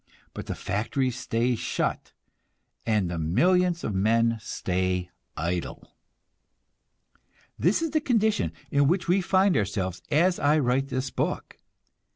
But the factories stay shut, and the millions of men stay idle. This is the condition in which we find ourselves as I write this book.